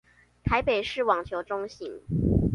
臺北市網球中心